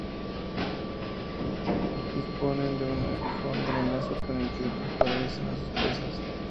Disponen de un aguijón venenoso con el que paralizan a sus presas.